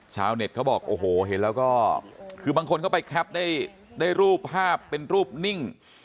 เน็ตเขาบอกโอ้โหเห็นแล้วก็คือบางคนเข้าไปแคปได้รูปภาพเป็นรูปนิ่ง